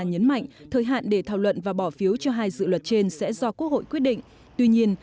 nhấn mạnh thời hạn để thảo luận và bỏ phiếu cho hai dự luật trên sẽ do quốc hội quyết định tuy nhiên